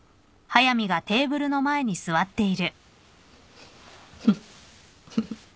フッフフ。